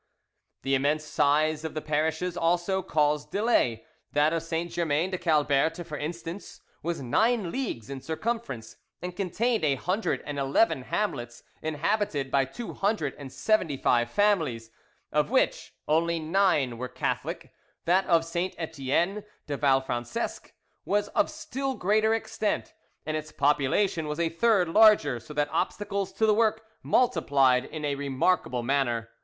The immense size of the parishes also caused delay: that of Saint Germain de Calberte, for instance, was nine leagues in circumference, and contained a hundred and eleven hamlets, inhabited by two hundred and seventy five families, of which only nine were Catholic; that of Saint Etienne de Valfrancesque was of still greater extent, and its population was a third larger, so that obstacles to the work multiplied in a remarkable manner.